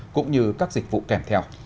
cũng như các dịch vụ kèm theo